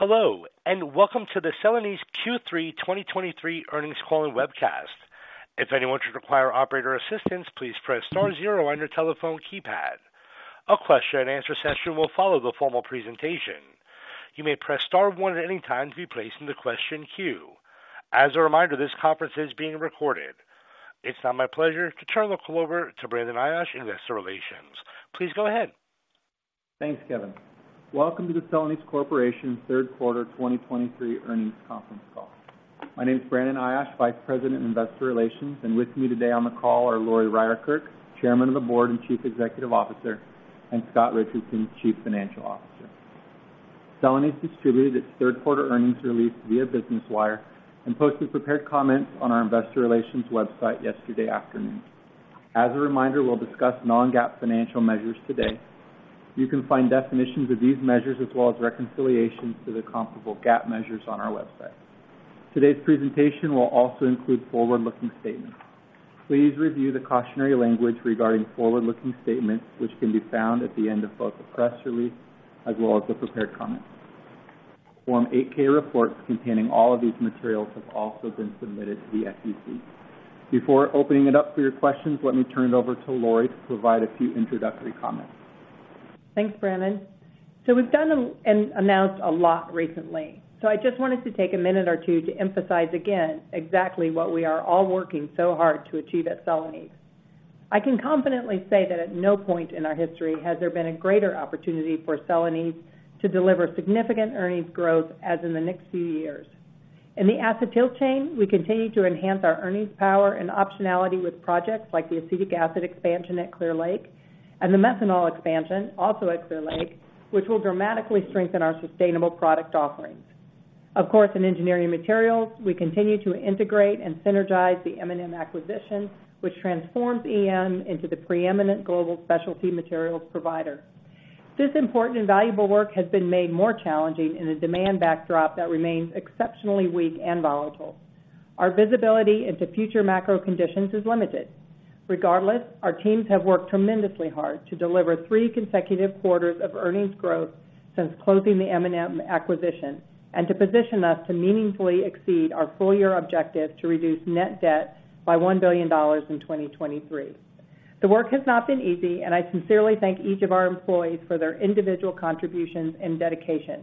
Hello, and welcome to the Celanese Q3 2023 earnings call and webcast. If anyone should require operator assistance, please press star zero on your telephone keypad. A question-and-answer session will follow the formal presentation. You may press star one at any time to be placed in the question queue. As a reminder, this conference is being recorded. It's now my pleasure to turn the call over to Brandon Ayache, Investor Relations. Please go ahead. Thanks, Kevin. Welcome to the Celanese Corporation Q3 2023 earnings conference call. My name is Brandon Ayache, Vice President, Investor Relations, and with me today on the call are Lori Ryerkerk, Chairman of the Board and Chief Executive Officer, and Scott Richardson, Chief Financial Officer. Celanese distributed its Q3 earnings release via Business Wire and posted prepared comments on our investor relations website yesterday afternoon. As a reminder, we'll discuss non-GAAP financial measures today. You can find definitions of these measures as well as reconciliations to the comparable GAAP measures on our website. Today's presentation will also include forward-looking statements. Please review the cautionary language regarding forward-looking statements, which can be found at the end of both the press release as well as the prepared comments. Form 8-K reports containing all of these materials have also been submitted to the SEC. Before opening it up for your questions, let me turn it over to Lori to provide a few introductory comments. Thanks, Brandon. So we've done and announced a lot recently, so I just wanted to take a minute or two to emphasize again exactly what we are all working so hard to achieve at Celanese. I can confidently say that at no point in our history has there been a greater opportunity for Celanese to deliver significant earnings growth as in the next few years. In the Acetyl Chain, we continue to enhance our earnings power and optionality with projects like the acetic acid expansion at Clear Lake and the methanol expansion, also at Clear Lake, which will dramatically strengthen our sustainable product offerings. Of course, in Engineered Materials, we continue to integrate and synergize the M&M acquisition, which transforms EM into the preeminent global specialty materials provider. This important and valuable work has been made more challenging in a demand backdrop that remains exceptionally weak and volatile. Our visibility into future macro conditions is limited. Regardless, our teams have worked tremendously hard to deliver three consecutive quarters of earnings growth since closing the M&M acquisition, and to position us to meaningfully exceed our full year objective to reduce net debt by $1 billion in 2023. The work has not been easy, and I sincerely thank each of our employees for their individual contributions and dedication.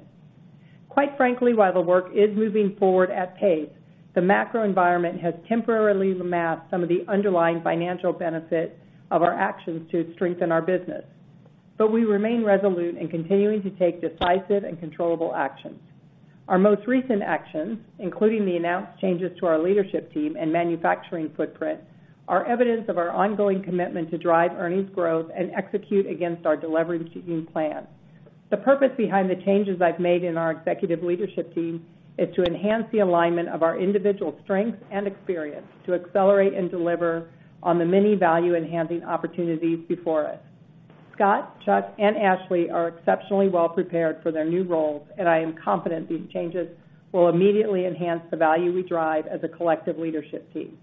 Quite frankly, while the work is moving forward at pace, the macro environment has temporarily masked some of the underlying financial benefits of our actions to strengthen our business, but we remain resolute in continuing to take decisive and controllable actions. Our most recent actions, including the announced changes to our leadership team and manufacturing footprint, are evidence of our ongoing commitment to drive earnings growth and execute against our de-levering team plan. The purpose behind the changes I've made in our executive leadership team is to enhance the alignment of our individual strengths and experience to accelerate and deliver on the many value-enhancing opportunities before us. Scott, Chuck, and Ashley are exceptionally well prepared for their new roles, and I am confident these changes will immediately enhance the value we drive as a collective leadership team.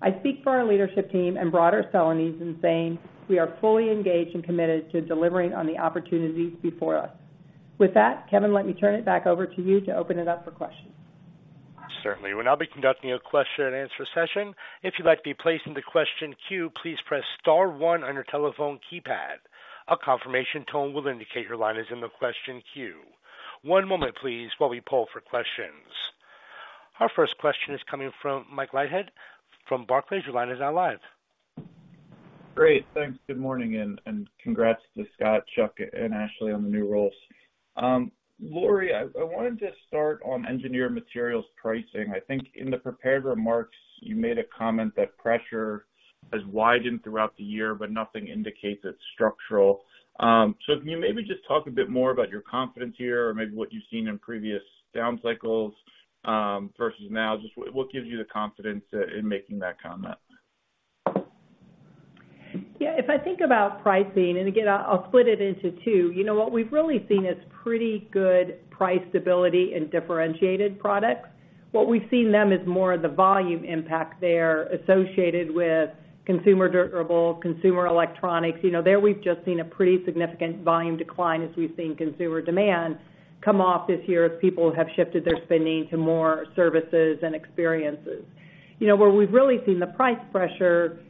I speak for our leadership team and broader Celanese in saying we are fully engaged and committed to delivering on the opportunities before us. With that, Kevin, let me turn it back over to you to open it up for questions. Certainly. We'll now be conducting a question-and-answer session. If you'd like to be placed in the question queue, please press star one on your telephone keypad. A confirmation tone will indicate your line is in the question queue. One moment, please, while we poll for questions. Our first question is coming from Mike Leithead from Barclays. Your line is now live. Great, thanks. Good morning, and congrats to Scott, Chuck, and Ashley on the new roles. Lori, I wanted to start on Engineered Materials pricing. I think in the prepared remarks, you made a comment that pressure has widened throughout the year, but nothing indicates it's structural. So can you maybe just talk a bit more about your confidence here or maybe what you've seen in previous down cycles versus now? Just what gives you the confidence in making that comment? Yeah, if I think about pricing, and again, I'll split it into two. You know, what we've really seen is pretty good price stability in differentiated products. What we've seen then is more of the volume impact there associated with consumer durable, consumer electronics. You know, there, we've just seen a pretty significant volume decline as we've seen consumer demand come off this year as people have shifted their spending to more services and experiences. You know, where we've really seen the price pressure is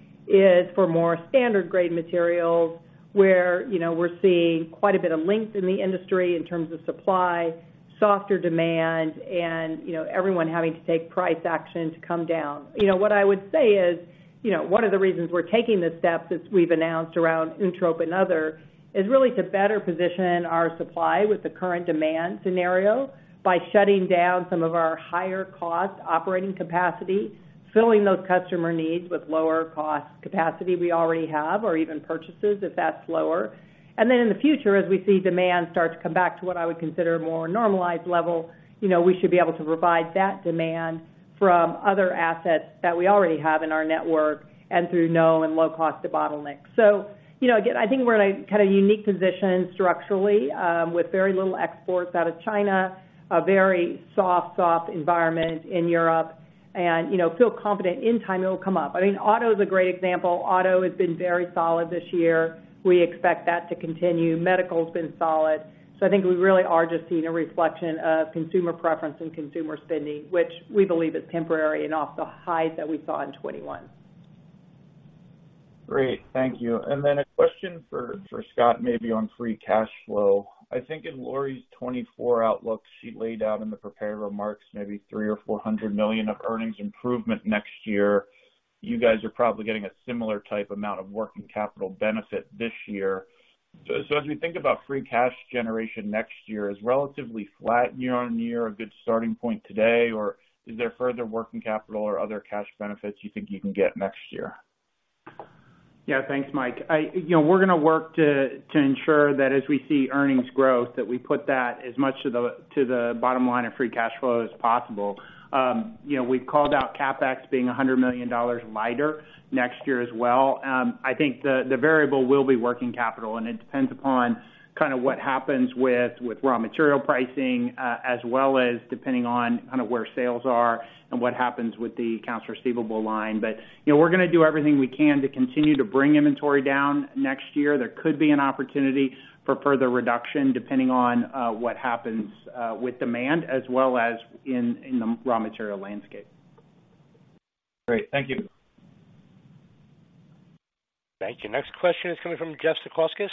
for more standard grade materials, where, you know, we're seeing quite a bit of length in the industry in terms of supply, softer demand, and, you know, everyone having to take price action to come down. You know, what I would say is, you know, one of the reasons we're taking the steps as we've announced around Uentrop and other, is really to better position our supply with the current demand scenario by shutting down some of our higher cost operating capacity, filling those customer needs with lower cost capacity we already have, or even purchases, if that's lower. And then in the future, as we see demand start to come back to what I would consider a more normalized level, you know, we should be able to provide that demand from other assets that we already have in our network and through no and low cost to bottleneck. So, you know, again, I think we're in a kind of unique position structurally, with very little exports out of China, a very soft, soft environment in Europe, and, you know, feel confident in time it'll come up. I mean, auto is a great example. Auto has been very solid this year. We expect that to continue. Medical's been solid. So I think we really are just seeing a reflection of consumer preference and consumer spending, which we believe is temporary and off the highs that we saw in 2021.... Great. Thank you. And then a question for Scott, maybe on free cash flow. I think in Lori's 2024 outlook, she laid out in the prepared remarks maybe $300 million-$400 million of earnings improvement next year. You guys are probably getting a similar type amount of working capital benefit this year. So as we think about free cash generation next year, is relatively flat year-on-year a good starting point today, or is there further working capital or other cash benefits you think you can get next year? Yeah, thanks, Mike. You know, we're gonna work to ensure that as we see earnings growth, that we put that as much to the bottom line of free cash flow as possible. You know, we've called out CapEx being $100 million lighter next year as well. I think the variable will be working capital, and it depends upon kind of what happens with raw material pricing, as well as depending on kind of where sales are and what happens with the accounts receivable line. But, you know, we're gonna do everything we can to continue to bring inventory down next year. There could be an opportunity for further reduction, depending on what happens with demand as well as in the raw material landscape. Great. Thank you. Thank you. Next question is coming from Jeff Zekauskas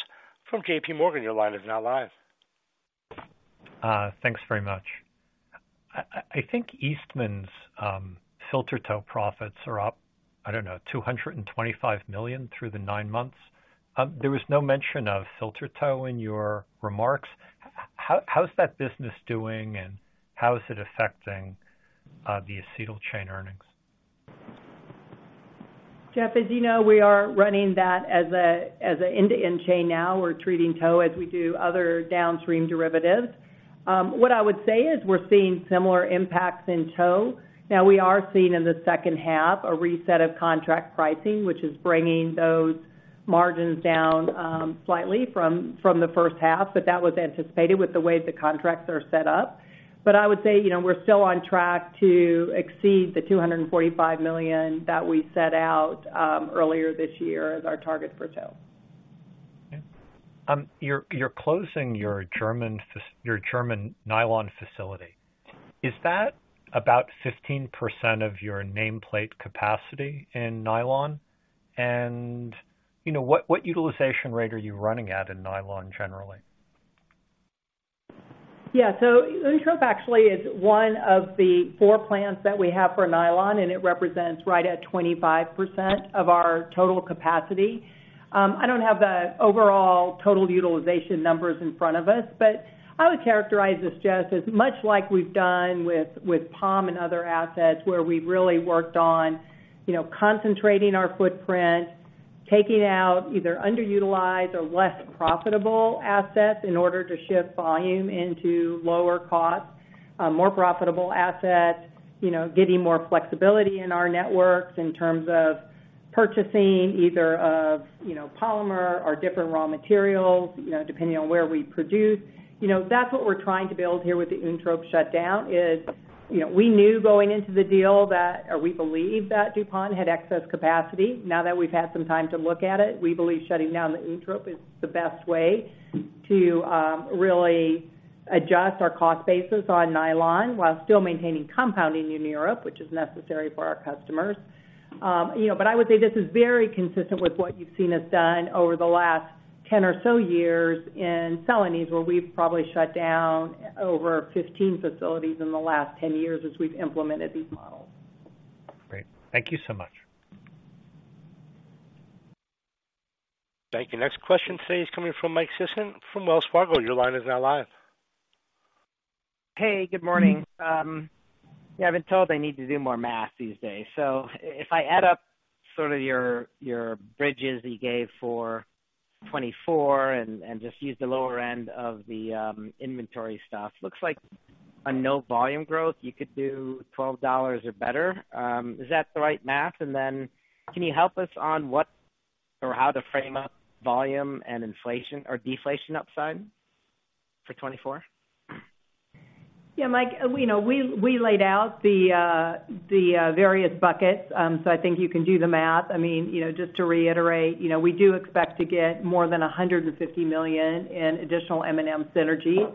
from JP Morgan. Your line is now live. Thanks very much. I think Eastman's filter tow profits are up, I don't know, $225 million through the nine months. There was no mention of filter tow in your remarks. How's that business doing, and how is it affecting the Acetyl Chain earnings? Jeff, as you know, we are running that as a end-to-end chain now. We're treating tow as we do other downstream derivatives. What I would say is we're seeing similar impacts in tow. Now, we are seeing in the second half a reset of contract pricing, which is bringing those margins down, slightly from the first half, but that was anticipated with the way the contracts are set up. But I would say, you know, we're still on track to exceed the $245 million that we set out, earlier this year as our target for tow. Okay. You're closing your German nylon facility. Is that about 15% of your nameplate capacity in nylon? You know, what utilization rate are you running at in nylon generally? Yeah. So Uentrop actually is one of the four plants that we have for nylon, and it represents right at 25% of our total capacity. I don't have the overall total utilization numbers in front of us, but I would characterize this, Jeff, as much like we've done with, with Pampa and other assets, where we've really worked on, you know, concentrating our footprint, taking out either underutilized or less profitable assets in order to shift volume into lower cost, more profitable assets, you know, giving more flexibility in our networks in terms of purchasing either of, you know, polymer or different raw materials, you know, depending on where we produce. You know, that's what we're trying to build here with the Uentrop shutdown is, you know, we knew going into the deal that, or we believed that DuPont had excess capacity. Now that we've had some time to look at it, we believe shutting down the Uentrop is the best way to really adjust our cost basis on nylon while still maintaining compounding in Europe, which is necessary for our customers. You know, but I would say this is very consistent with what you've seen us done over the last 10 or so years in Celanese, where we've probably shut down over 15 facilities in the last 10 years as we've implemented these models. Great. Thank you so much. Thank you. Next question today is coming from Mike Sison from Wells Fargo. Your line is now live. Hey, good morning. Yeah, I've been told I need to do more math these days. So if I add up sort of your bridges that you gave for 2024 and just use the lower end of the inventory stuff, looks like on no volume growth, you could do $12 or better. Is that the right math? And then can you help us on what or how to frame up volume and inflation or deflation upside for 2024? Yeah, Mike, you know, we, we laid out the, the, various buckets, so I think you can do the math. I mean, you know, just to reiterate, you know, we do expect to get more than $150 million in additional M&M synergy.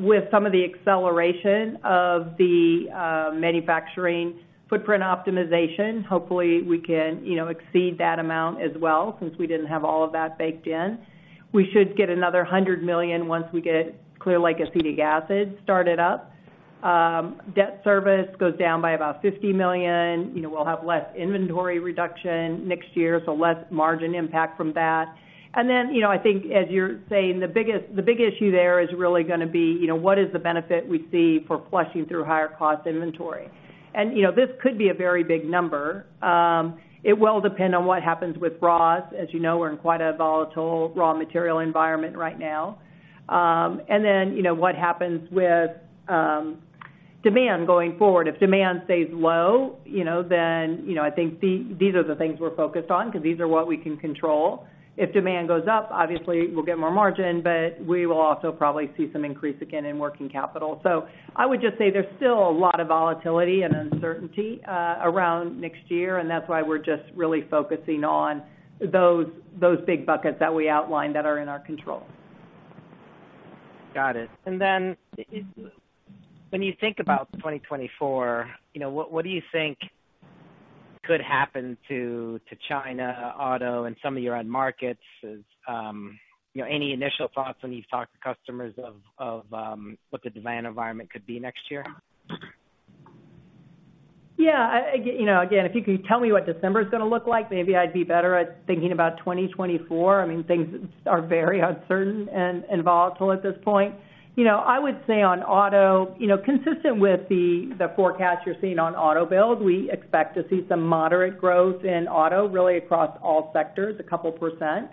With some of the acceleration of the, manufacturing footprint optimization, hopefully, we can, you know, exceed that amount as well, since we didn't have all of that baked in. We should get another $100 million once we get Clear Lake acetic acid started up. Debt service goes down by about $50 million. You know, we'll have less inventory reduction next year, so less margin impact from that. And then, you know, I think as you're saying, the biggest issue there is really gonna be, you know, what is the benefit we see for flushing through higher cost inventory? And, you know, this could be a very big number. It will depend on what happens with raws. As you know, we're in quite a volatile raw material environment right now. And then, you know, what happens with demand going forward? If demand stays low, you know, then, you know, I think these are the things we're focused on because these are what we can control. If demand goes up, obviously, we'll get more margin, but we will also probably see some increase again in working capital. So I would just say there's still a lot of volatility and uncertainty around next year, and that's why we're just really focusing on those big buckets that we outlined that are in our control. ... Got it. And then, when you think about 2024, you know, what, what do you think could happen to China Auto and some of your end markets? You know, any initial thoughts when you've talked to customers of what the demand environment could be next year? Yeah, I you know, again, if you could tell me what December is gonna look like, maybe I'd be better at thinking about 2024. I mean, things are very uncertain and volatile at this point. You know, I would say on auto, you know, consistent with the forecast you're seeing on auto build, we expect to see some moderate growth in auto, really across all sectors, a couple percent.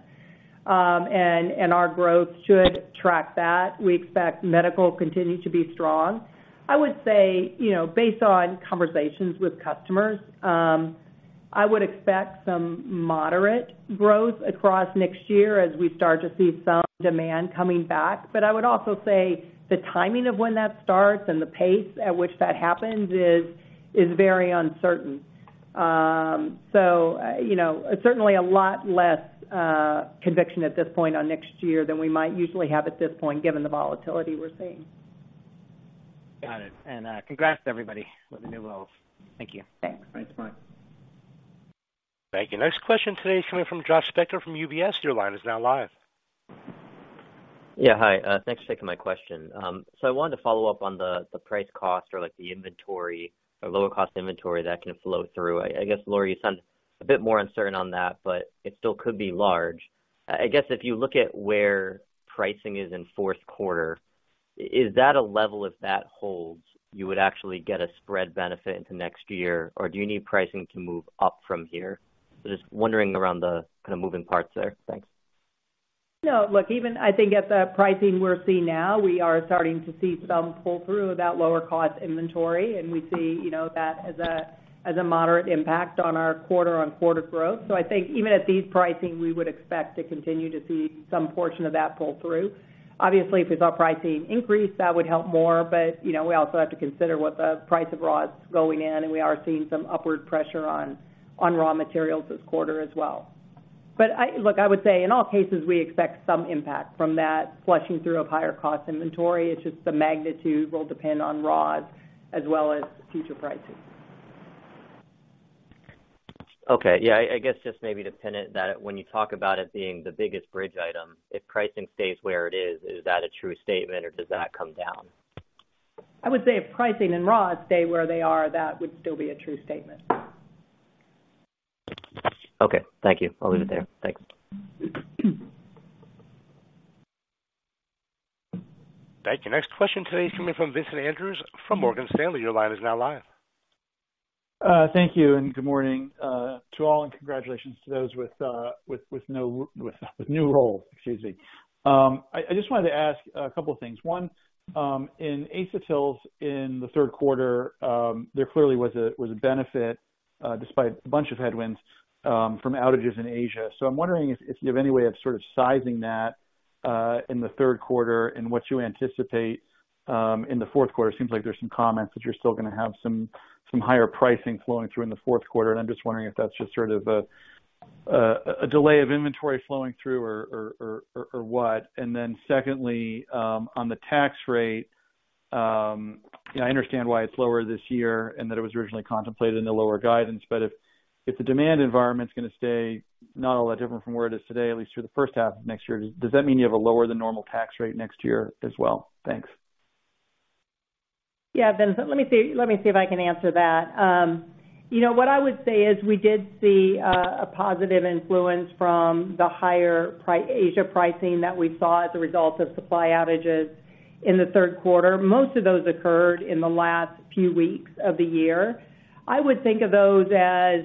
And our growth should track that. We expect medical continue to be strong. I would say, you know, based on conversations with customers, I would expect some moderate growth across next year as we start to see some demand coming back. But I would also say the timing of when that starts and the pace at which that happens is very uncertain. So, you know, certainly a lot less conviction at this point on next year than we might usually have at this point, given the volatility we're seeing. Got it. And, congrats to everybody with the new roles. Thank you. Thanks. Thanks, Mark. Thank you. Next question today is coming from Josh Spector from UBS. Your line is now live. Yeah, hi. Thanks for taking my question. So I wanted to follow up on the price cost or, like, the inventory or lower cost inventory that can flow through. I guess, Lori, you sound a bit more uncertain on that, but it still could be large. I guess, if you look at where pricing is in Q4, is that a level, if that holds, you would actually get a spread benefit into next year? Or do you need pricing to move up from here? So just wondering around the kind of moving parts there. Thanks. No, look, even I think at the pricing we're seeing now, we are starting to see some pull-through of that lower cost inventory, and we see, you know, that as a moderate impact on our quarter-on-quarter growth. So I think even at these pricing, we would expect to continue to see some portion of that pull through. Obviously, if we saw pricing increase, that would help more, but, you know, we also have to consider what the price of raw is going in, and we are seeing some upward pressure on raw materials this quarter as well. But I, look, I would say in all cases, we expect some impact from that flushing through of higher cost inventory. It's just the magnitude will depend on raws as well as future pricing. Okay. Yeah, I, I guess just maybe to pin it, that when you talk about it being the biggest bridge item, if pricing stays where it is, is that a true statement or does that come down? I would say if pricing and raws stay where they are, that would still be a true statement. Okay. Thank you. I'll leave it there. Thanks. Thank you. Next question today is coming from Vincent Andrews from Morgan Stanley. Your line is now live. Thank you, and good morning, to all, and congratulations to those with new roles, excuse me. I just wanted to ask a couple of things. One, in acetals in the Q3, there clearly was a benefit, despite a bunch of headwinds, from outages in Asia. So I'm wondering if you have any way of sort of sizing that, in the Q3 and what you anticipate, in the Q4. It seems like there's some comments that you're still gonna have some higher pricing flowing through in the Q4, and I'm just wondering if that's just sort of a delay of inventory flowing through or what? And then secondly, on the tax rate, you know, I understand why it's lower this year and that it was originally contemplated in the lower guidance, but if the demand environment's gonna stay not all that different from where it is today, at least through the first half of next year, does that mean you have a lower than normal tax rate next year as well? Thanks. Yeah, Vincent, let me see, let me see if I can answer that. You know, what I would say is we did see a positive influence from the higher pricing in Asia that we saw as a result of supply outages in the Q3. Most of those occurred in the last few weeks of the year. I would think of those as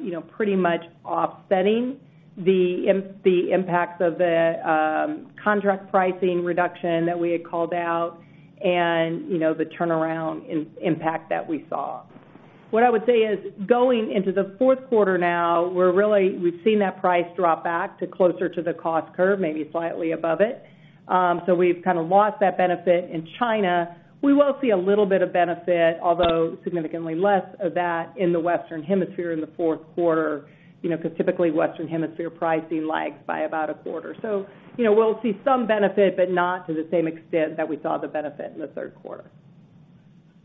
you know, pretty much offsetting the impacts of the contract pricing reduction that we had called out and, you know, the turnaround impact that we saw. What I would say is, going into the Q4 now, we're really, we've seen that price drop back to closer to the cost curve, maybe slightly above it. So we've kind of lost that benefit in China. We will see a little bit of benefit, although significantly less of that in the Western Hemisphere in the Q4, you know, because typically, Western Hemisphere pricing lags by about a quarter. So, you know, we'll see some benefit, but not to the same extent that we saw the benefit in the Q3.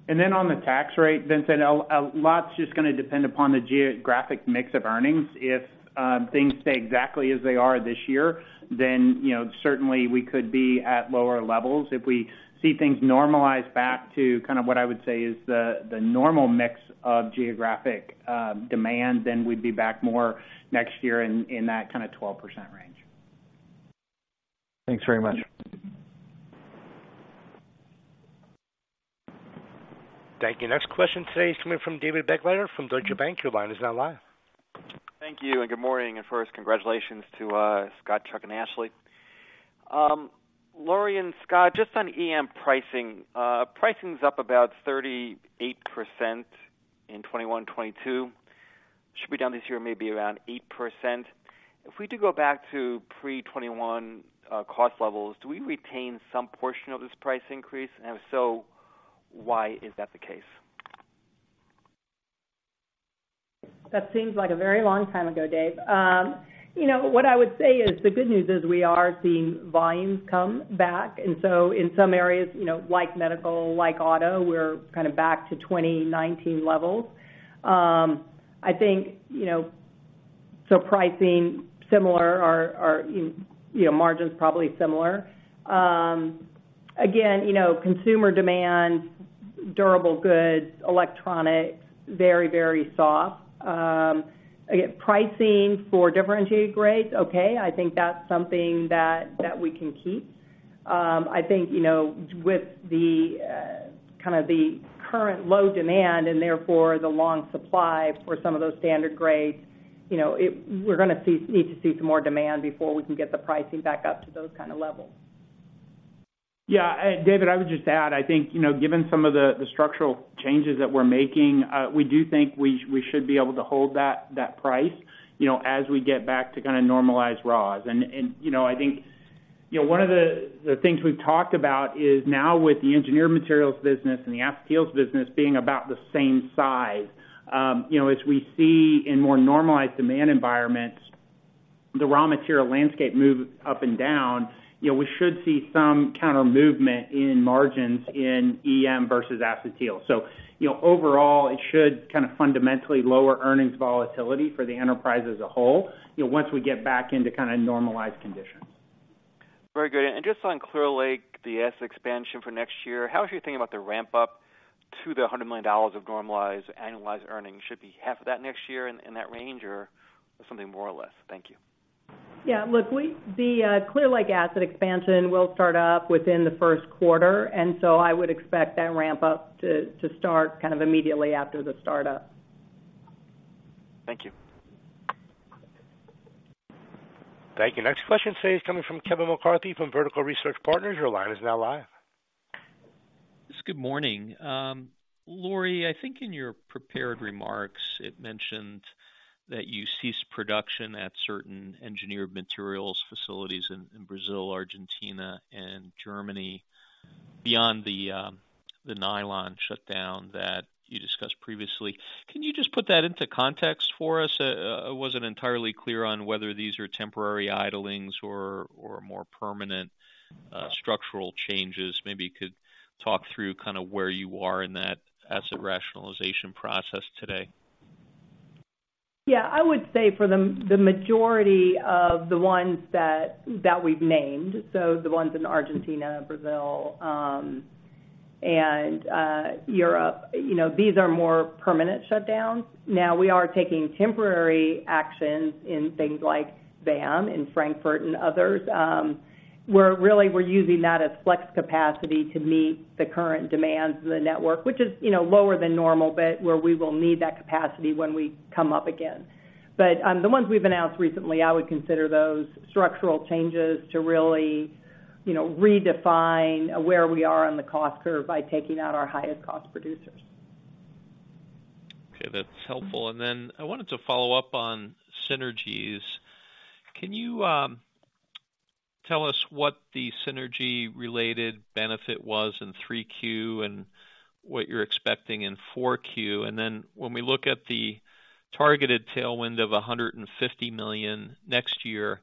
Then on the tax rate, Vincent, a lot's just gonna depend upon the geographic mix of earnings. If things stay exactly as they are this year, then, you know, certainly we could be at lower levels. If we see things normalize back to kind of what I would say is the normal mix of geographic demand, then we'd be back more next year in that kind of 12% range. Thanks very much. Thank you. Next question today is coming from David Begleiter from Deutsche Bank. Your line is now live. Thank you, and good morning, and first, congratulations to Scott, Chuck and Ashley. Lori and Scott, just on EM pricing, pricing's up about 38% in 2021, 2022. Should be down this year, maybe around 8%. If we do go back to pre-2021 cost levels, do we retain some portion of this price increase? And if so, why is that the case?... That seems like a very long time ago, Dave. You know, what I would say is, the good news is we are seeing volumes come back, and so in some areas, you know, like medical, like auto, we're kind of back to 2019 levels. I think, you know, so pricing similar or, you know, margins probably similar. Again, you know, consumer demand, durable goods, electronics, very, very soft. Pricing for differentiated grades, okay, I think that's something that we can keep. I think, you know, with the kind of the current low demand and therefore the long supply for some of those standard grades, you know, it. We're gonna need to see some more demand before we can get the pricing back up to those kind of levels. Yeah, David, I would just add, I think, you know, given some of the structural changes that we're making, we do think we should be able to hold that price, you know, as we get back to kind of normalized raws. You know, I think, you know, one of the things we've talked about is now with the Engineered Materials business and the acetyls business being about the same size, you know, as we see in more normalized demand environments, the raw material landscape move up and down, you know, we should see some countermovement in margins in EM versus acetyl. So, you know, overall, it should kind of fundamentally lower earnings volatility for the enterprise as a whole, you know, once we get back into kind of normalized conditions. Very good. Just on Clear Lake, the asset expansion for next year, how is your thinking about the ramp-up to the $100 million of normalized annualized earnings? Should be half of that next year in that range or something more or less? Thank you. Yeah, look, the Clear Lake asset expansion will start up within the Q1, and so I would expect that ramp-up to start kind of immediately after the start up. Thank you. Thank you. Next question today is coming from Kevin McCarthy from Vertical Research Partners. Your line is now live. Yes, good morning. Lori, I think in your prepared remarks, it mentioned that you ceased production at certain Engineered Materials facilities in Brazil, Argentina, and Germany, beyond the nylon shutdown that you discussed previously. Can you just put that into context for us? I wasn't entirely clear on whether these are temporary idlings or more permanent structural changes. Maybe you could talk through kind of where you are in that asset rationalization process today. Yeah, I would say for the majority of the ones that we've named, so the ones in Argentina, Brazil, and Europe, you know, these are more permanent shutdowns. Now, we are taking temporary actions in things like VAM, in Frankfurt and others. We're really using that as flex capacity to meet the current demands of the network, which is, you know, lower than normal, but where we will need that capacity when we come up again. But the ones we've announced recently, I would consider those structural changes to really, you know, redefine where we are on the cost curve by taking out our highest cost producers. Okay, that's helpful. And then I wanted to follow up on synergies. Can you, tell us what the synergy-related benefit was in 3Q and what you're expecting in 4Q? And then when we look at the targeted tailwind of $150 million next year,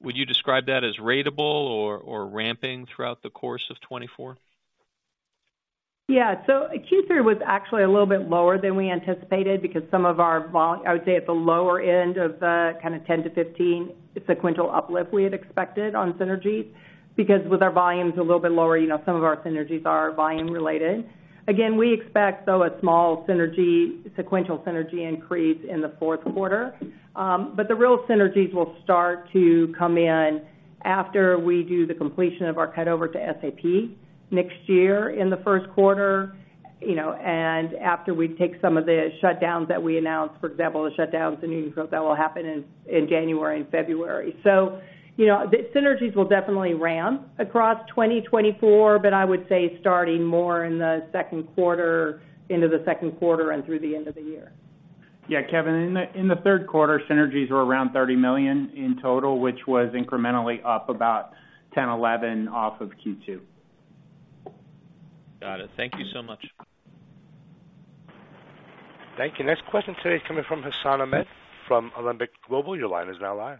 would you describe that as ratable or ramping throughout the course of 2024? Yeah. So Q3 was actually a little bit lower than we anticipated because some of our, I would say, at the lower end of the kind of 10-15 sequential uplift we had expected on synergies, because with our volumes a little bit lower, you know, some of our synergies are volume related. Again, we expect, though, a small synergy, sequential synergy increase in the Q4. But the real synergies will start to come in after we do the completion of our cut over to SAP next year in the Q1, you know, and after we take some of the shutdowns that we announced, for example, the shutdowns in Evansville, that will happen in January and February. So, you know, the synergies will definitely ramp across 2024, but I would say starting more in the Q2, into the Q2 and through the end of the year. Yeah, Kevin, in the Q3, synergies were around $30 million in total, which was incrementally up about 10-11 off of Q2. Got it. Thank you so much. Thank you. Next question today is coming from Hassan Ahmed from Alembic Global. Your line is now live.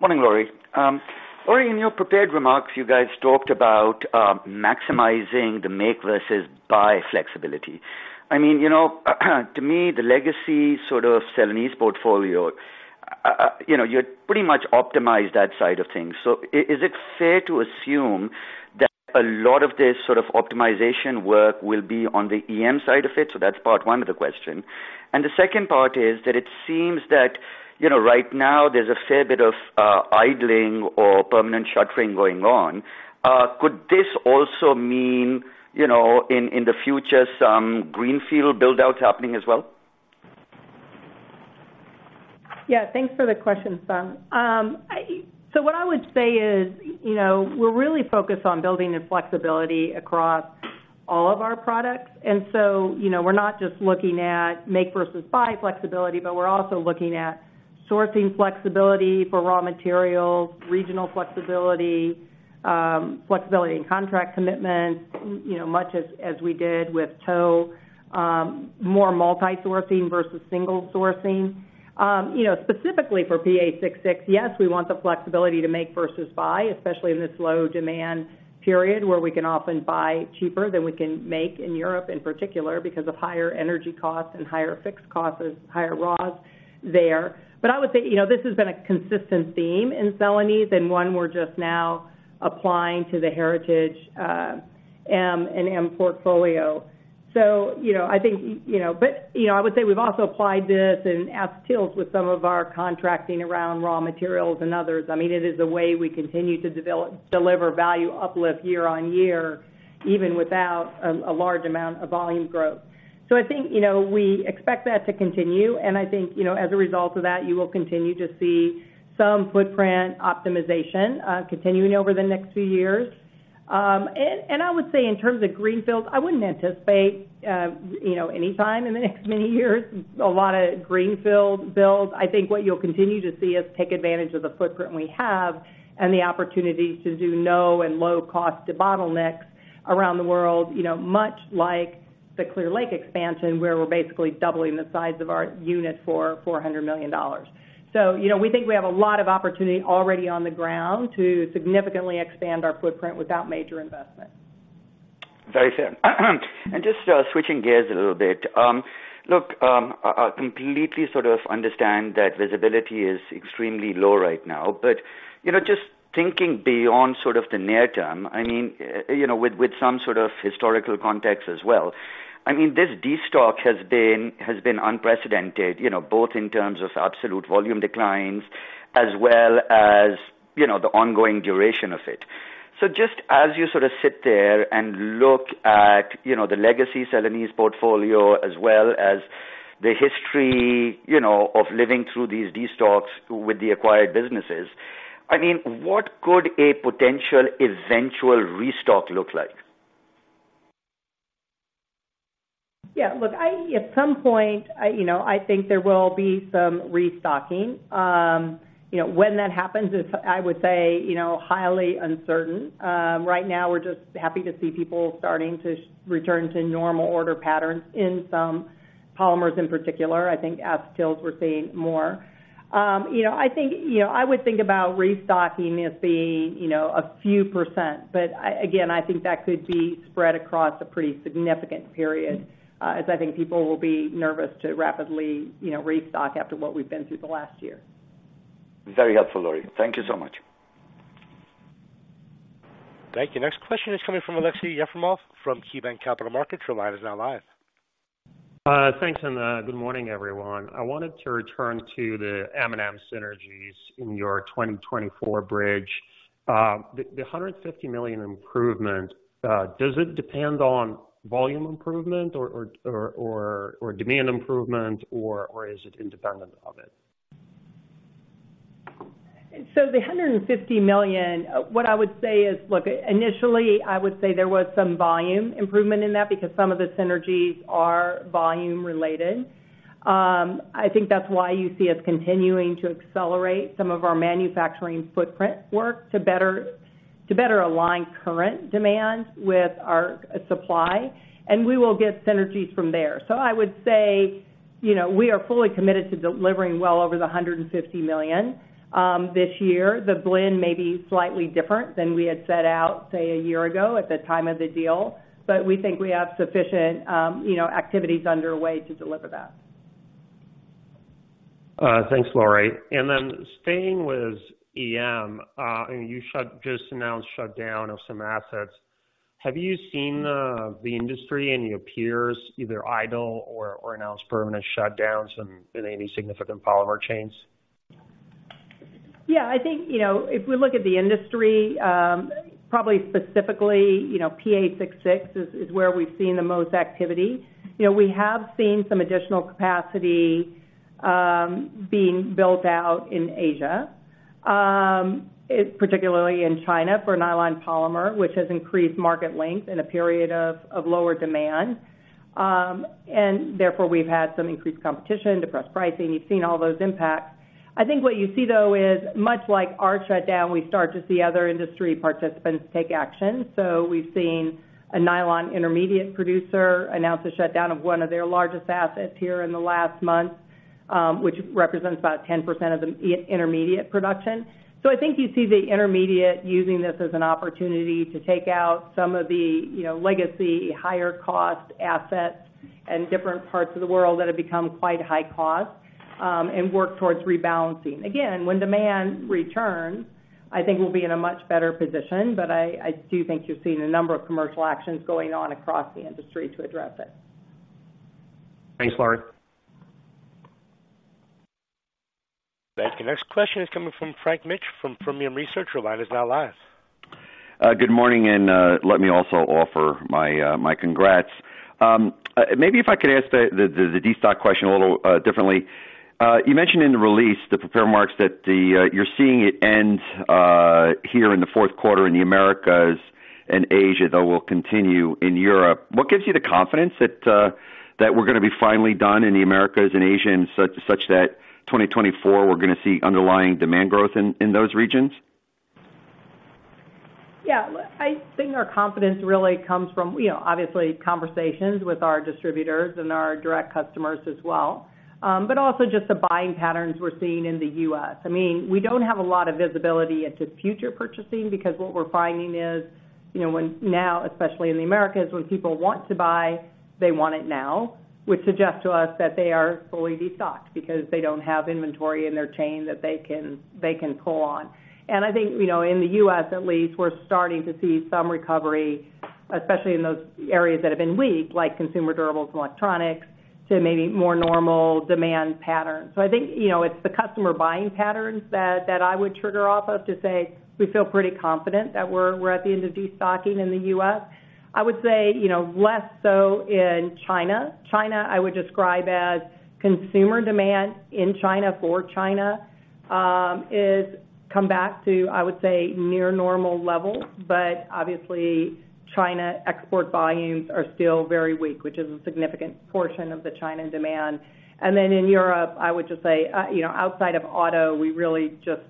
Morning, Lori. Lori, in your prepared remarks, you guys talked about maximizing the make versus buy flexibility. I mean, you know, to me, the legacy sort of Celanese portfolio, you know, you're pretty much optimized that side of things. So is it fair to assume that a lot of this sort of optimization work will be on the EM side of it? So that's part one of the question. And the second part is that it seems that, you know, right now there's a fair bit of idling or permanent shuttering going on. Could this also mean, you know, in the future, some greenfield build-out happening as well? Yeah, thanks for the question, Hassan. So what I would say is, you know, we're really focused on building the flexibility across all of our products, and so, you know, we're not just looking at make versus buy flexibility, but we're also looking at sourcing flexibility for raw materials, regional flexibility... flexibility and contract commitments, you know, much as, as we did with tow, more multi-sourcing versus single sourcing. You know, specifically for PA66, yes, we want the flexibility to make versus buy, especially in this low demand period, where we can often buy cheaper than we can make in Europe, in particular, because of higher energy costs and higher fixed costs, higher raws there. But I would say, you know, this has been a consistent theme in Celanese and one we're just now applying to the heritage M and M portfolio. So, you know, I think, you know, but, you know, I would say we've also applied this in Ateva with some of our contracting around raw materials and others. I mean, it is a way we continue to deliver value uplift year on year, even without a large amount of volume growth. So I think, you know, we expect that to continue, and I think, you know, as a result of that, you will continue to see some footprint optimization continuing over the next few years. And I would say in terms of greenfields, I wouldn't anticipate you know, anytime in the next many years, a lot of greenfield builds. I think what you'll continue to see us take advantage of the footprint we have and the opportunities to do no and low cost to bottlenecks around the world, you know, much like the Clear Lake expansion, where we're basically doubling the size of our unit for $400 million. So, you know, we think we have a lot of opportunity already on the ground to significantly expand our footprint without major investment. Very fair. Just switching gears a little bit. Look, I completely sort of understand that visibility is extremely low right now, but, you know, just thinking beyond sort of the near term, I mean, you know, with some sort of historical context as well, I mean, this destock has been unprecedented, you know, both in terms of absolute volume declines as well as, you know, the ongoing duration of it. So just as you sort of sit there and look at, you know, the legacy Celanese portfolio as well as the history, you know, of living through these destocks with the acquired businesses, I mean, what could a potential eventual restock look like? Yeah, look, I, at some point, I, you know, I think there will be some restocking. You know, when that happens, it's, I would say, you know, highly uncertain. Right now, we're just happy to see people starting to return to normal order patterns in some polymers in particular. I think Aptiv, we're seeing more. You know, I think, you know, I would think about restocking as being, you know, a few percent, but again, I think that could be spread across a pretty significant period, as I think people will be nervous to rapidly, you know, restock after what we've been through the last year. Very helpful, Lori. Thank you so much. Thank you. Next question is coming from Aleksey Yefremov from KeyBanc Capital Markets. Your line is now live. Thanks, and good morning, everyone. I wanted to return to the M&M synergies in your 2024 bridge. The $150 million improvement, does it depend on volume improvement or demand improvement, or is it independent of it? So the $150 million, what I would say is, look, initially, I would say there was some volume improvement in that because some of the synergies are volume related. I think that's why you see us continuing to accelerate some of our manufacturing footprint work to better, to better align current demand with our supply, and we will get synergies from there. So I would say, you know, we are fully committed to delivering well over the $150 million, this year. The blend may be slightly different than we had set out, say, a year ago at the time of the deal, but we think we have sufficient, you know, activities underway to deliver that. Thanks, Lori. And then staying with EM, and you just announced shutdown of some assets. Have you seen the industry and your peers either idle or announce permanent shutdowns in any significant polymer chains? Yeah, I think, you know, if we look at the industry, probably specifically, you know, PA six six is, is where we've seen the most activity. You know, we have seen some additional capacity, being built out in Asia, it particularly in China for nylon polymer, which has increased market length in a period of, of lower demand. And therefore, we've had some increased competition, depressed pricing. You've seen all those impacts. I think what you see, though, is much like our shutdown, we start to see other industry participants take action. So we've seen a nylon intermediate producer announce a shutdown of one of their largest assets here in the last month, which represents about 10% of the intermediate production. So I think you see the intermediate using this as an opportunity to take out some of the, you know, legacy, higher-cost assets in different parts of the world that have become quite high cost, and work towards rebalancing. Again, when demand returns, I think we'll be in a much better position, but I, I do think you're seeing a number of commercial actions going on across the industry to address it. Thanks, Laurie. Thank you. Next question is coming from Frank Mitsch from Fermium Research. Your line is now live. Good morning, and let me also offer my congrats. Maybe if I could ask the destocking question a little differently. You mentioned in the release, the prepared remarks that you're seeing it end here in the Q4 in the Americas and Asia, though will continue in Europe. What gives you the confidence that we're gonna be finally done in the Americas and Asia, such that 2024 we're gonna see underlying demand growth in those regions? Yeah, look, I think our confidence really comes from, you know, obviously, conversations with our distributors and our direct customers as well. But also just the buying patterns we're seeing in the U.S. I mean, we don't have a lot of visibility into future purchasing because what we're finding is, you know, now, especially in the Americas, when people want to buy, they want it now, which suggests to us that they are fully destocked because they don't have inventory in their chain that they can, they can pull on. And I think, you know, in the U.S. at least, we're starting to see some recovery, especially in those areas that have been weak, like consumer durables and electronics, to maybe more normal demand patterns. So I think, you know, it's the customer buying patterns that I would trigger off of to say we feel pretty confident that we're at the end of destocking in the U.S. I would say, you know, less so in China. China, I would describe as consumer demand in China for China is come back to, I would say, near normal levels. But obviously, China export volumes are still very weak, which is a significant portion of the China demand. And then in Europe, I would just say, you know, outside of auto, we really just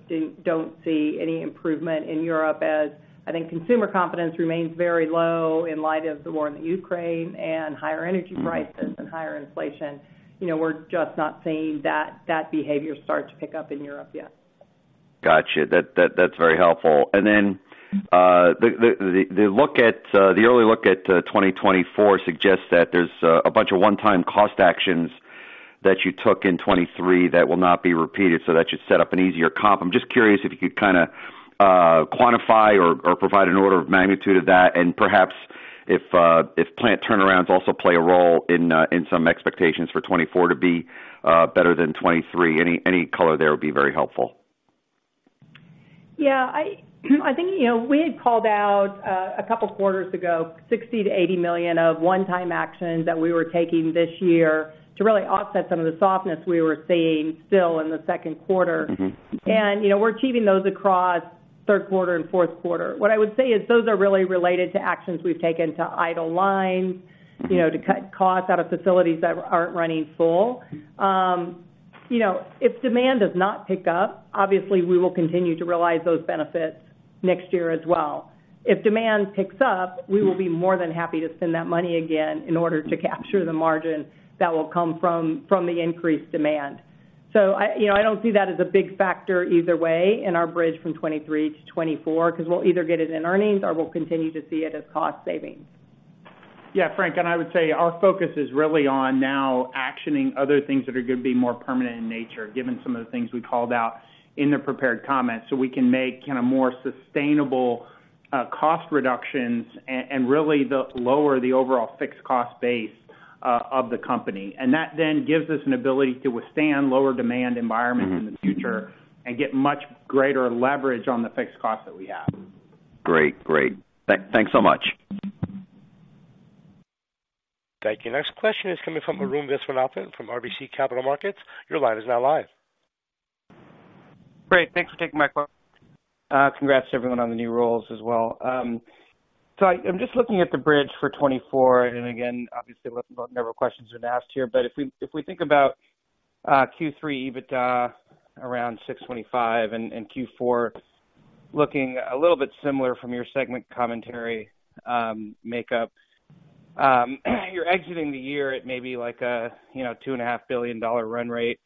don't see any improvement in Europe, as I think consumer confidence remains very low in light of the war in Ukraine and higher energy prices. Mm-hmm. and higher inflation. You know, we're just not seeing that, that behavior start to pick up in Europe yet. Gotcha. That, that's very helpful. And then, the early look at 2024 suggests that there's a bunch of one-time cost actions that you took in 2023 that will not be repeated, so that should set up an easier comp. I'm just curious if you could kinda quantify or provide an order of magnitude of that, and perhaps if plant turnarounds also play a role in some expectations for 2024 to be better than 2023. Any color there would be very helpful. Yeah, I, I think, you know, we had called out a couple of quarters ago, $60 million-$80 million of one-time actions that we were taking this year to really offset some of the softness we were seeing still in the Q2. Mm-hmm. Mm-hmm. You know, we're achieving those across Q3 and Q4. What I would say is those are really related to actions we've taken to idle lines, you know, to cut costs out of facilities that aren't running full. You know, if demand does not pick up, obviously, we will continue to realize those benefits next year as well. If demand picks up, we will be more than happy to spend that money again in order to capture the margin that will come from, from the increased demand. So I, you know, I don't see that as a big factor either way in our bridge from 2023 to 2024, 'cause we'll either get it in earnings or we'll continue to see it as cost savings. Yeah, Frank, and I would say our focus is really on now actioning other things that are gonna be more permanent in nature, given some of the things we called out in the prepared comments, so we can make kinda more sustainable cost reductions and really lower the overall fixed cost base of the company. And that then gives us an ability to withstand lower demand environment- Mm-hmm... in the future and get much greater leverage on the fixed cost that we have. Great. Great. Thanks so much. Thank you. Next question is coming from Arun Viswanathan from RBC Capital Markets. Your line is now live. Great, thanks for taking my call. Congrats to everyone on the new roles as well. So I, I'm just looking at the bridge for 2024, and again, obviously, several questions have been asked here. But if we think about Q3 EBITDA around $625, and Q4 looking a little bit similar from your segment commentary, makeup, you're exiting the year at maybe like, you know, $2.5 billion run rate.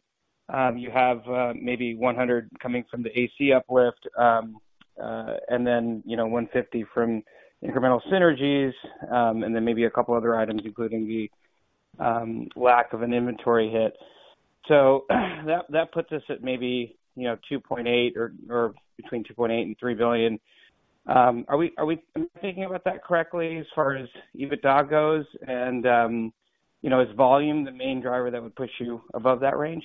You have maybe $100 coming from the AC uplift, and then, you know, $150 from incremental synergies, and then maybe a couple other items, including the lack of an inventory hit. So that puts us at maybe, you know, $2.8 or between $2.8 billion and $3 billion. Are we thinking about that correctly as far as EBITDA goes? And, you know, is volume the main driver that would push you above that range?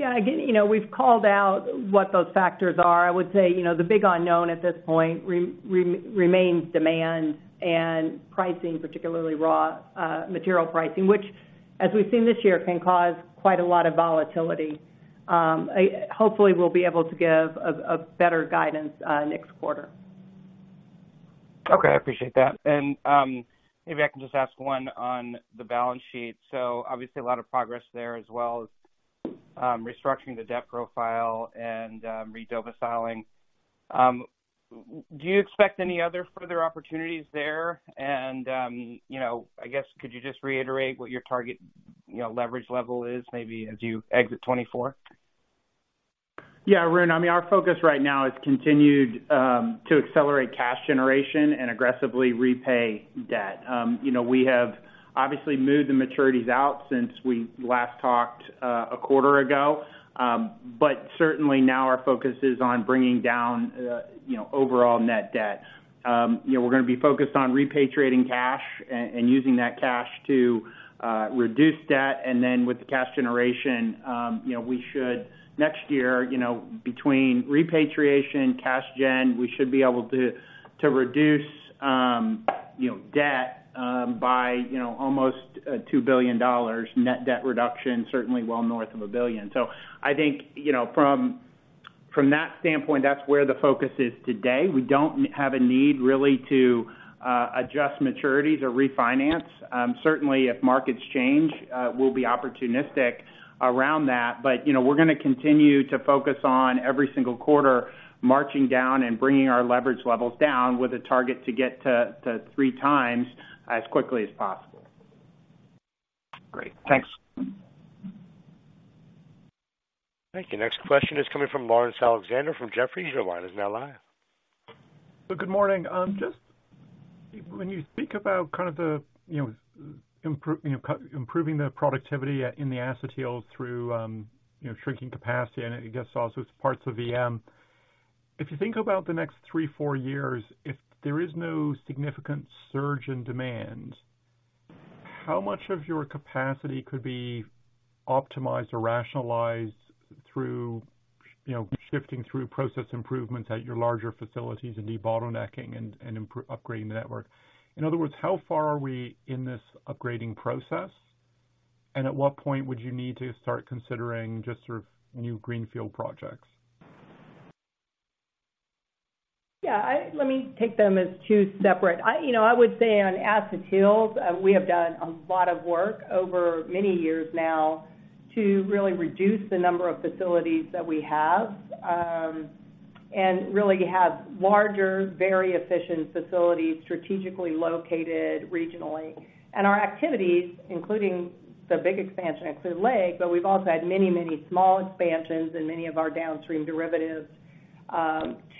Yeah, again, you know, we've called out what those factors are. I would say, you know, the big unknown at this point remains demand and pricing, particularly raw material pricing, which, as we've seen this year, can cause quite a lot of volatility. Hopefully, we'll be able to give a better guidance next quarter. Okay, I appreciate that. And, maybe I can just ask one on the balance sheet. So obviously, a lot of progress there, as well as, restructuring the debt profile and, redomiciling. Do you expect any other further opportunities there? And, you know, I guess could you just reiterate what your target, you know, leverage level is, maybe as you exit 2024? Yeah, Arun, I mean, our focus right now is continued to accelerate cash generation and aggressively repay debt. You know, we have obviously moved the maturities out since we last talked, a quarter ago. But certainly, now our focus is on bringing down, you know, overall net debt. You know, we're gonna be focused on repatriating cash and using that cash to reduce debt. And then with the cash generation, you know, we should next year, you know, between repatriation, cash gen, we should be able to reduce, you know, debt by, you know, almost $2 billion. Net debt reduction, certainly well north of $1 billion. So I think, you know, from- ...From that standpoint, that's where the focus is today. We don't have a need really to, adjust maturities or refinance. Certainly, if markets change, we'll be opportunistic around that. But, you know, we're gonna continue to focus on every single quarter, marching down and bringing our leverage levels down with a target to get to, to three times as quickly as possible. Great. Thanks. Thank you. Next question is coming from Lawrence Alexander from Jefferies. Your line is now live. Good morning. Just when you speak about kind of the, you know, improving the productivity in the Acetyls through, you know, shrinking capacity, and I guess also it's parts of EM. If you think about the next three, four years, if there is no significant surge in demand, how much of your capacity could be optimized or rationalized through, you know, shifting through process improvements at your larger facilities and debottlenecking and upgrading the network? In other words, how far are we in this upgrading process, and at what point would you need to start considering just sort of new greenfield projects? Yeah, let me take them as two separate. I, you know, I would say on Acetyls, we have done a lot of work over many years now to really reduce the number of facilities that we have, and really have larger, very efficient facilities, strategically located regionally. And our activities, including the big expansion at Clear Lake, but we've also had many, many small expansions in many of our downstream derivatives,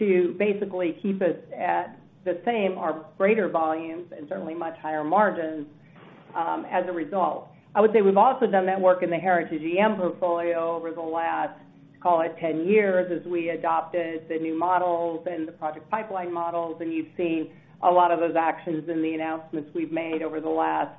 to basically keep us at the same or greater volumes and certainly much higher margins, as a result. I would say we've also done that work in the Heritage EM portfolio over the last, call it, 10 years, as we adopted the new models and the project pipeline models, and you've seen a lot of those actions in the announcements we've made over the last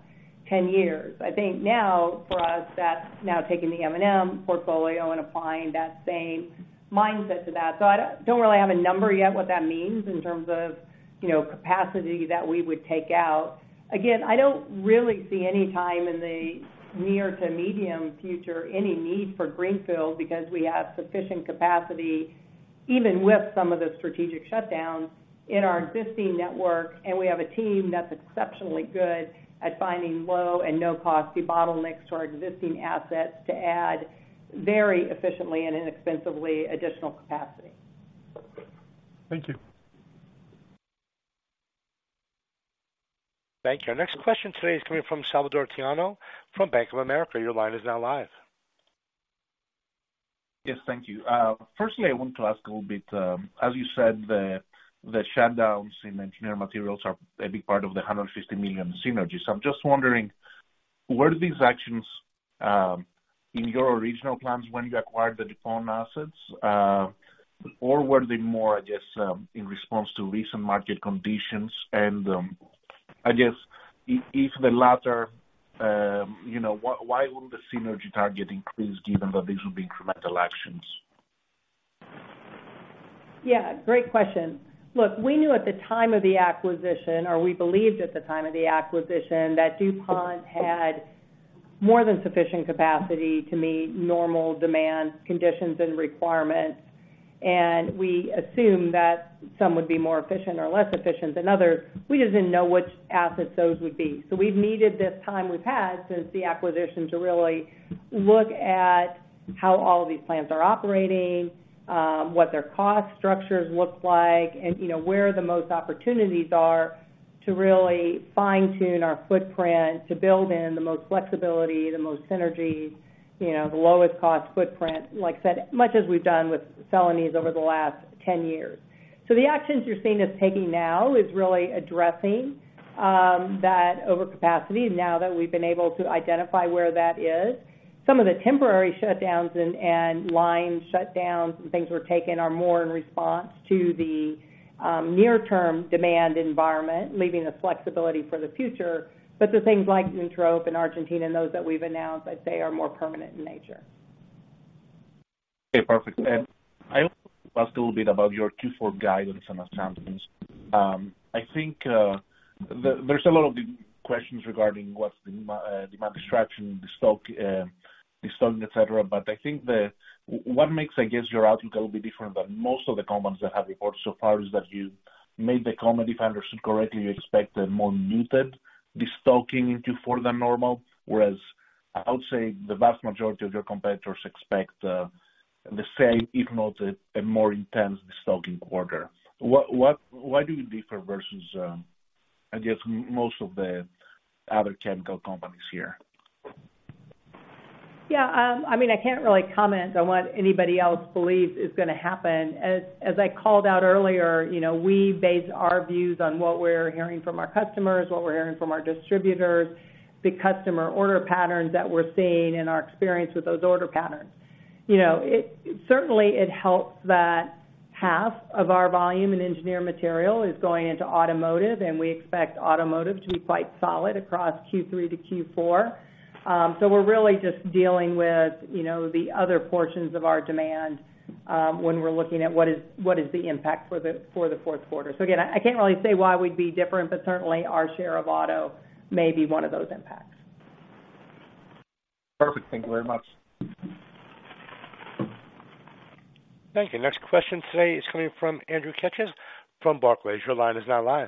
10 years. I think now, for us, that's now taking the M&M portfolio and applying that same mindset to that. So I don't, don't really have a number yet what that means in terms of, you know, capacity that we would take out. Again, I don't really see any time in the near to medium future, any need for greenfield, because we have sufficient capacity, even with some of the strategic shutdowns in our existing network, and we have a team that's exceptionally good at finding low and no-cost bottlenecks to our existing assets to add very efficiently and inexpensively, additional capacity. Thank you. Thank you. Our next question today is coming from Salvator Tiano from Bank of America. Your line is now live. Yes, thank you. Firstly, I want to ask a little bit, as you said, the shutdowns in Engineered Materials are a big part of the $150 million synergies. I'm just wondering, were these actions in your original plans when you acquired the DuPont assets, or were they more in response to recent market conditions? And, I guess if the latter, you know, why would the synergy target increase given that these will be incremental actions? Yeah, great question. Look, we knew at the time of the acquisition, or we believed at the time of the acquisition, that DuPont had more than sufficient capacity to meet normal demand, conditions, and requirements. We assumed that some would be more efficient or less efficient than others. We didn't know which assets those would be. So we've needed this time we've had since the acquisition, to really look at how all of these plants are operating, what their cost structures look like, and, you know, where the most opportunities are to really fine-tune our footprint, to build in the most flexibility, the most synergy, you know, the lowest cost footprint. Like I said, much as we've done with Celanese over the last 10 years. So the actions you're seeing us taking now is really addressing that overcapacity now that we've been able to identify where that is. Some of the temporary shutdowns and line shutdowns and things we're taking are more in response to the near-term demand environment, leaving the flexibility for the future. But the things like Uentrop in Argentina and those that we've announced, I'd say, are more permanent in nature. Okay, perfect. And I want to ask a little bit about your Q4 guidance and assumptions. I think there's a lot of questions regarding what's the demand destruction, the stock, the stocking, et cetera. But I think what makes, I guess, your outlook a little bit different than most of the comments that have been reported so far, is that you made the comment, if I understood correctly, you expect a more muted destocking into forward than normal, whereas I would say, the vast majority of your competitors expect the same, if not a more intense destocking quarter. What, what, why do you differ versus, I guess, most of the other chemical companies here? Yeah, I mean, I can't really comment on what anybody else believes is gonna happen. As I called out earlier, you know, we base our views on what we're hearing from our customers, what we're hearing from our distributors, the customer order patterns that we're seeing and our experience with those order patterns. You know, it certainly helps that half of our volume in engineered material is going into automotive, and we expect automotive to be quite solid across Q3 to Q4. So we're really just dealing with, you know, the other portions of our demand, when we're looking at what is the impact for the Q4. So again, I can't really say why we'd be different, but certainly our share of auto may be one of those impacts.... Perfect. Thank you very much. Thank you. Next question today is coming from Andrew Keches from Barclays. Your line is now live.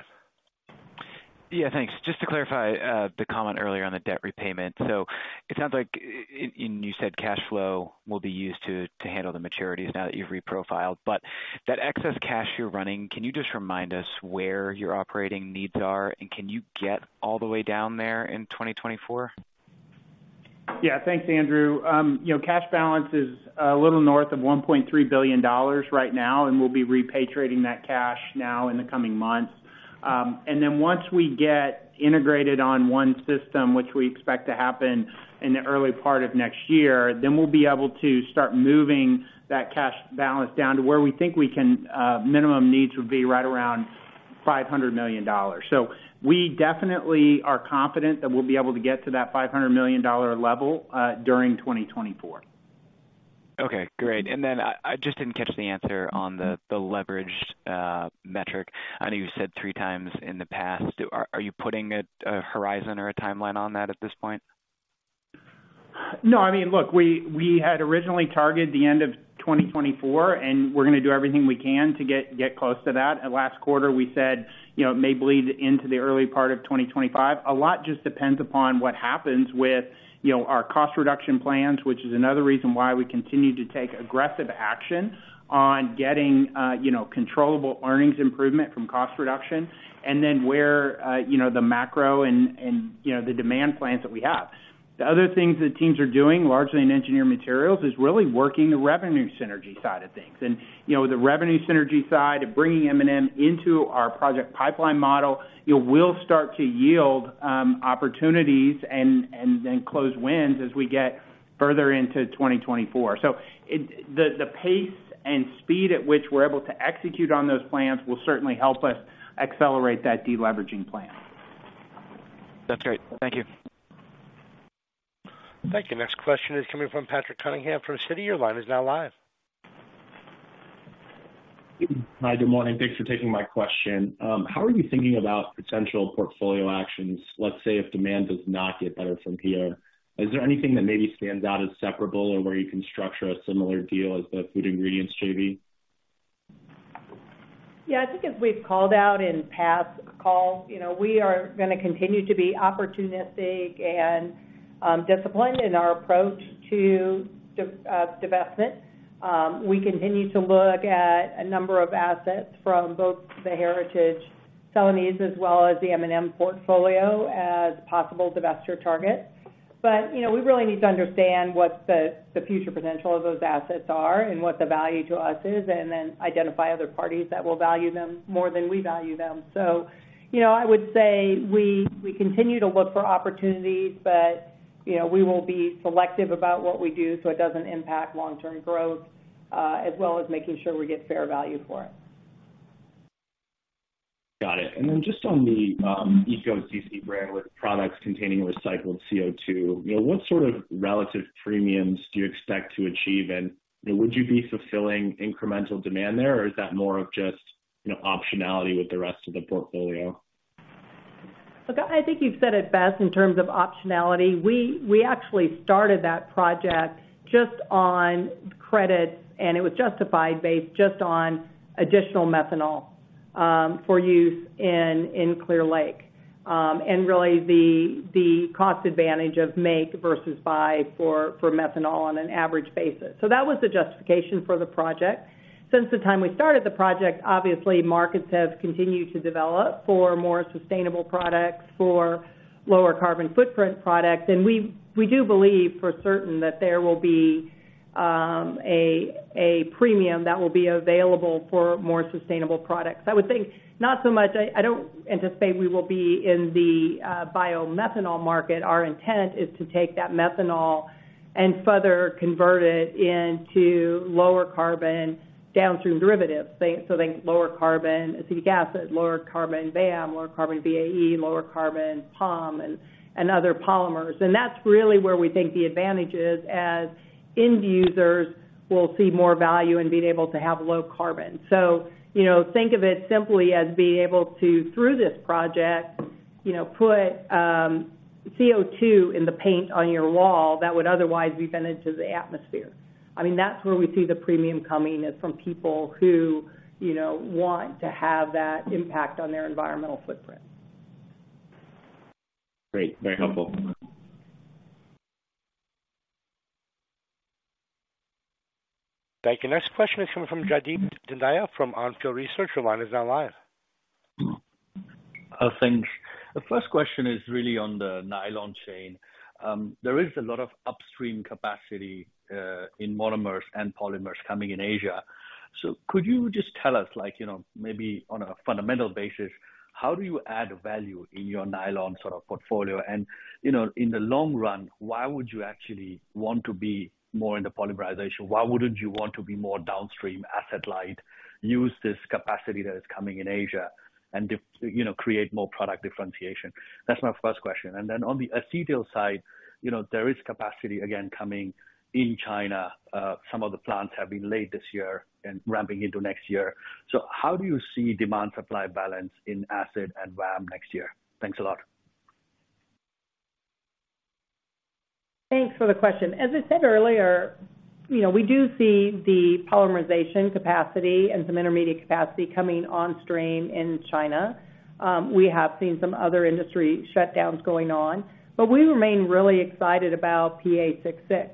Yeah, thanks. Just to clarify, the comment earlier on the debt repayment. So it sounds like and you said cash flow will be used to handle the maturities now that you've reprofiled. But that excess cash you're running, can you just remind us where your operating needs are, and can you get all the way down there in 2024? Yeah, thanks, Andrew. You know, cash balance is a little north of $1.3 billion right now, and we'll be repatriating that cash now in the coming months. And then once we get integrated on one system, which we expect to happen in the early part of next year, then we'll be able to start moving that cash balance down to where we think we can, minimum needs would be right around $500 million. So we definitely are confident that we'll be able to get to that $500 million level during 2024. Okay, great. And then I just didn't catch the answer on the leverage metric. I know you've said three times in the past. Are you putting a horizon or a timeline on that at this point? No, I mean, look, we, we had originally targeted the end of 2024, and we're gonna do everything we can to get, get close to that. At last quarter, we said, you know, it may bleed into the early part of 2025. A lot just depends upon what happens with, you know, our cost reduction plans, which is another reason why we continue to take aggressive action on getting, you know, controllable earnings improvement from cost reduction, and then where, you know, the macro and, and, you know, the demand plans that we have. The other things that teams are doing, largely in engineered materials, is really working the revenue synergy side of things. You know, the revenue synergy side of bringing M&M into our project pipeline model, it will start to yield opportunities and then close wins as we get further into 2024. So, the pace and speed at which we're able to execute on those plans will certainly help us accelerate that deleveraging plan. That's great. Thank you. Thank you. Next question is coming from Patrick Cunningham from Citi. Your line is now live. Hi, good morning. Thanks for taking my question. How are you thinking about potential portfolio actions, let's say, if demand does not get better from here? Is there anything that maybe stands out as separable or where you can structure a similar deal as the food ingredients JV? Yeah, I think as we've called out in past calls, you know, we are gonna continue to be opportunistic and disciplined in our approach to divestment. We continue to look at a number of assets from both the heritage Celanese as well as the M&M portfolio as possible divestiture targets. But, you know, we really need to understand what the future potential of those assets are and what the value to us is, and then identify other parties that will value them more than we value them. So, you know, I would say we continue to look for opportunities, but, you know, we will be selective about what we do, so it doesn't impact long-term growth as well as making sure we get fair value for it. Got it. And then just on the, ECO-CC brand with products containing recycled CO2, you know, what sort of relative premiums do you expect to achieve? And, you know, would you be fulfilling incremental demand there, or is that more of just, you know, optionality with the rest of the portfolio? Look, I think you've said it best in terms of optionality. We, we actually started that project just on credits, and it was justified based just on additional methanol for use in Clear Lake. And really, the cost advantage of make versus buy for methanol on an average basis. So that was the justification for the project. Since the time we started the project, obviously, markets have continued to develop for more sustainable products, for lower carbon footprint products. And we, we do believe for certain that there will be a premium that will be available for more sustainable products. I would think not so much. I, I don't anticipate we will be in the biomethanol market. Our intent is to take that methanol and further convert it into lower carbon downstream derivatives. So think lower carbon acetic acid, lower carbon VAM, lower carbon VAE, lower carbon POM and, and other polymers. And that's really where we think the advantage is, as end users will see more value in being able to have low carbon. So, you know, think of it simply as being able to, through this project, you know, put CO2 in the paint on your wall that would otherwise be went into the atmosphere. I mean, that's where we see the premium coming, is from people who, you know, want to have that impact on their environmental footprint. Great, very helpful. Thank you. Next question is coming from Jaideep Pandya, from Onfield Research. Your line is now live. Thanks. The first question is really on the nylon chain. There is a lot of upstream capacity in monomers and polymers coming in Asia. So could you just tell us, like, you know, maybe on a fundamental basis, how do you add value in your nylon sort of portfolio? And, you know, in the long run, why would you actually want to be more in the polymerization? Why wouldn't you want to be more downstream, asset light, use this capacity that is coming in Asia and you know, create more product differentiation? That's my first question. And then on the acetyl side, you know, there is capacity again coming in China. Some of the plants have been late this year and ramping into next year. So how do you see demand-supply balance in acid and VAM next year? Thanks a lot.... Thanks for the question. As I said earlier, you know, we do see the polymerization capacity and some intermediate capacity coming on stream in China. We have seen some other industry shutdowns going on, but we remain really excited about PA six-six.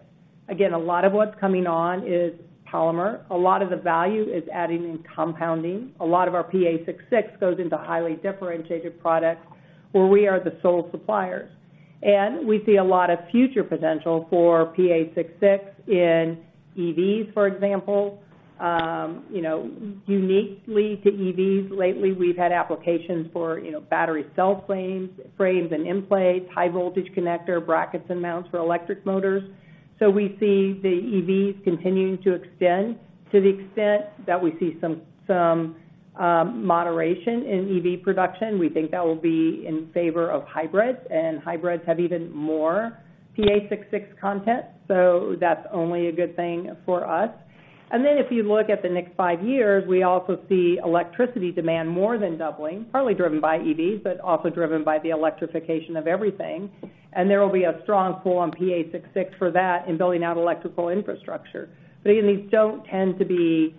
Again, a lot of what's coming on is polymer. A lot of the value is adding and compounding. A lot of our PA six-six goes into highly differentiated products where we are the sole suppliers, and we see a lot of future potential for PA six-six in EVs, for example. You know, uniquely to EVs, lately, we've had applications for, you know, battery cell planes, frames and end plates, high voltage connector, brackets and mounts for electric motors. So we see the EVs continuing to extend. To the extent that we see some moderation in EV production, we think that will be in favor of hybrids, and hybrids have even more PA six-six content, so that's only a good thing for us. And then, if you look at the next five years, we also see electricity demand more than doubling, partly driven by EVs, but also driven by the electrification of everything. And there will be a strong pull on PA six-six for that in building out electrical infrastructure. But these don't tend to be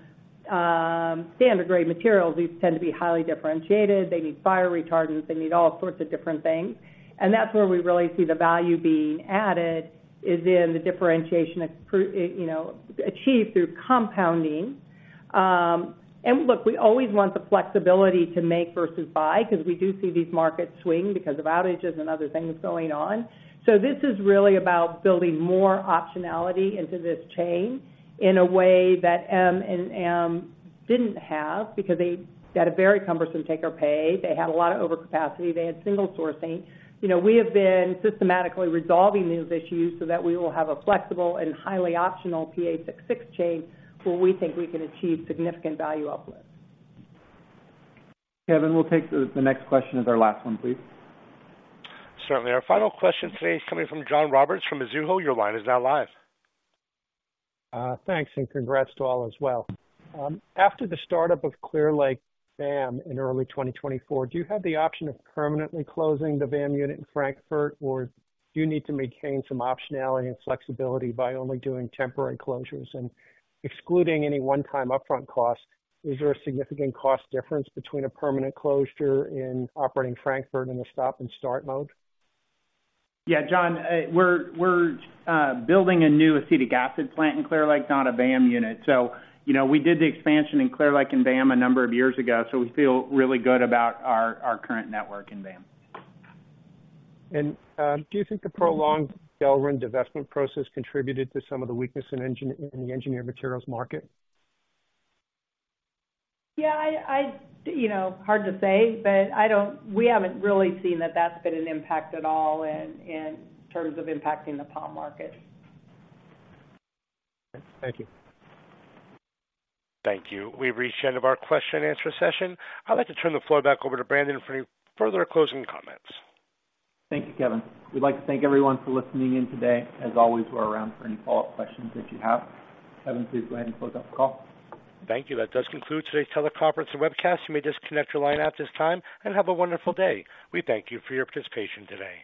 standard-grade materials. These tend to be highly differentiated. They need fire retardants, they need all sorts of different things, and that's where we really see the value being added, is in the differentiation, it, you know, achieved through compounding. Look, we always want the flexibility to make versus buy, 'cause we do see these markets swing because of outages and other things going on. This is really about building more optionality into this chain in a way that M&M didn't have, because they had a very cumbersome take or pay. They had a lot of overcapacity. They had single sourcing. You know, we have been systematically resolving these issues so that we will have a flexible and highly optional PA six-six chain, where we think we can achieve significant value uplift. Kevin, we'll take the next question as our last one, please. Certainly. Our final question today is coming from John Roberts from Mizuho. Your line is now live. Thanks, and congrats to all as well. After the startup of Clear Lake VAM in early 2024, do you have the option of permanently closing the VAM unit in Frankfurt, or do you need to maintain some optionality and flexibility by only doing temporary closures? Excluding any one-time upfront costs, is there a significant cost difference between a permanent closure and operating Frankfurt in a stop-and-start mode? Yeah, John, we're building a new acetic acid plant in Clear Lake, not a VAM unit. So, you know, we did the expansion in Clear Lake and VAM a number of years ago, so we feel really good about our current network in VAM. Do you think the prolonged Delrin divestment process contributed to some of the weakness in the Engineered Materials market? Yeah, you know, hard to say, but we haven't really seen that that's been an impact at all in terms of impacting the VAM market. Thank you. Thank you. We've reached the end of our question-and-answer session. I'd like to turn the floor back over to Brandon for any further closing comments. Thank you, Kevin. We'd like to thank everyone for listening in today. As always, we're around for any follow-up questions that you have. Kevin, please go ahead and close out the call. Thank you. That does conclude today's teleconference and webcast. You may disconnect your line at this time and have a wonderful day. We thank you for your participation today.